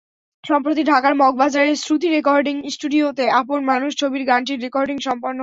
সম্প্রতি ঢাকার মগবাজারের শ্রুতি রেকর্ডিং স্টুডিওতে আপন মানুষ ছবির গানটির রেকর্ডিং সম্পন্ন হয়।